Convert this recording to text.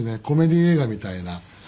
コメディー映画みたいな。